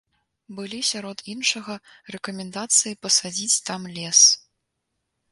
Былі сярод іншага рэкамендацыі пасадзіць там лес.